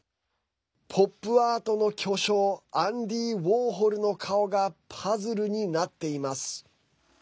ポップアートの巨匠アンディ・ウォーホルの顔がパズルになっています。